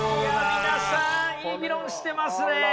皆さんいい議論してますねえ。